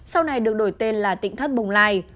sau này được đổi tên là tỉnh thất bồng lai